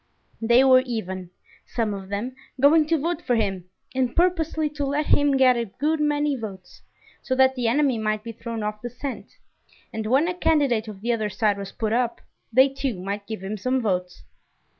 They were even, some of them, going to vote for him, and purposely to let him get a good many votes, so that the enemy might be thrown off the scent, and when a candidate of the other side was put up, they too might give him some votes.